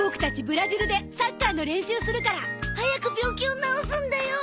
ブラジルでサッカーの練習するから。早く病気を治すんだよ。